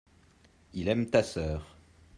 il aime ta sœur.